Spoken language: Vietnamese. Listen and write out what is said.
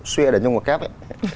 xuyệt ở trong một cái